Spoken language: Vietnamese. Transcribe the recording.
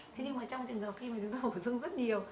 thế nhưng mà trong trường hợp khi mà chúng ta hổ dung rất nhiều